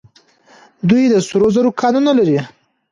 دوی د سرو زرو کانونه لري.